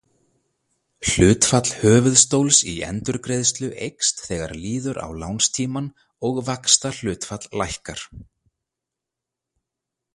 Hlutfall höfuðstóls í endurgreiðslu eykst þegar líður á lánstímann og vaxtahlutfall lækkar.